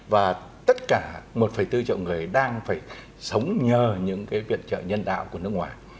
và tất cả một bốn triệu người đang phải sống nhờ những cái viện trợ nhân đạo của nước ngoài